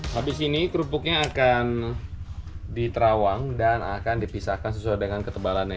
habis ini kerupuknya akan diterawang dan akan dipisahkan sesuai dengan ketebalannya